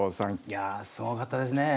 いやすごかったですね。